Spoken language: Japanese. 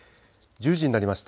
１０時になりました。